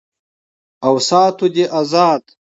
او ساتو دې آزاد